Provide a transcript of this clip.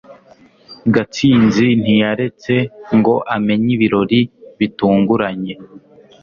gatsinzi ntiyaretse ngo amenye ibirori bitunguranye